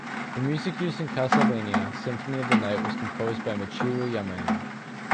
The music used in "Castlevania: Symphony of the Night" was composed by Michiru Yamane.